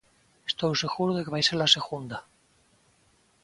Estou seguro de que vai ser a segunda.